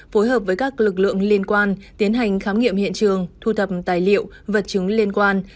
phối hợp với các lực lượng liên quan tiến hành khám nghiệm hiện trường thu thập tài liệu vật chứng liên quan